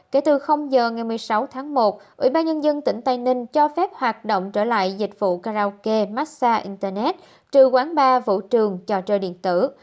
kể từ giờ ngày một mươi sáu tháng một ubnd tỉnh tây ninh cho phép hoạt động trở lại dịch vụ karaoke massage internet trừ quán bar vũ trường trò chơi điện tử